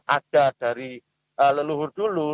ada dari leluhur dulu